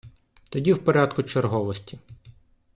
Тоді в порядку черговості.